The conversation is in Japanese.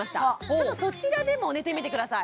ちょっとそちらでも寝てみてください